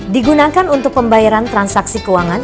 digunakan untuk pembayaran transaksi keuangan